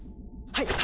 はい！